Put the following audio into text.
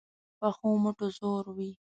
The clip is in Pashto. پخو مټو زور وي